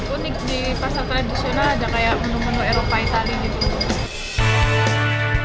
unik di pasar tradisional ada menu menu eropa italia